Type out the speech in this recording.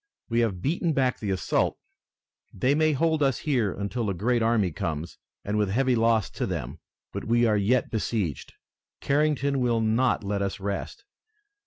"We have beaten back the assault. They may hold us here until a great army comes, and with heavy loss to them, but we are yet besieged. Carrington will not let us rest.